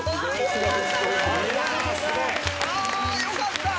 あよかった！